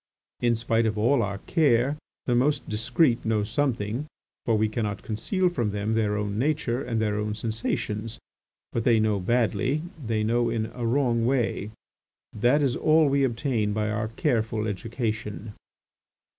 In spite of all our care the most discreet know something, for we cannot conceal from them their own nature and their own sensations. But they know badly, they know in a wrong way. That is all we obtain by our careful education.